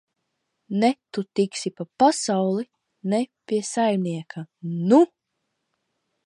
Ne tu tiksi pa pasauli, ne pie saimnieka, nu!